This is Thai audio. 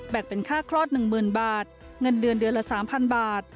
เป็นค่าคลอด๑๐๐๐บาทเงินเดือนเดือนละ๓๐๐บาท